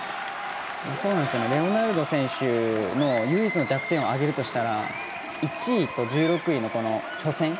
レオナルド選手の唯一の弱点を挙げるとしたら１位と１６位の初戦。